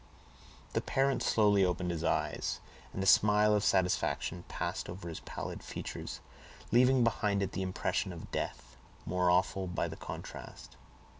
The parent slowly opened his eyes, and a smile of satisfaction passed over his pallid features, leaving behind it the impression of death, more awful by the contrast.